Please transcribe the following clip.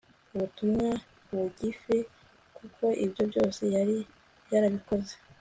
ubutumwa bugifi kuko ibyo byose yari yarabikoze